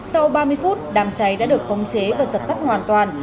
sau ba mươi phút đám cháy đã được khống chế và giấm tắt hoàn toàn